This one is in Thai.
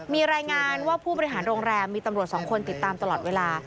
มีรายงานว่าผู้บริหารโรงแรมมีตำรวจสองคนติดตามตลอดเวลา